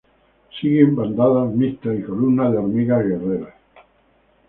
Sigue bandadas mixtas y columnas de hormigas guerreras.